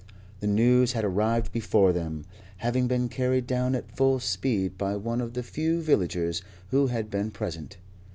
The news had arrived before them, having been carried down at full speed by one of the few villagers who had been present.